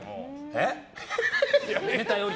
えっ？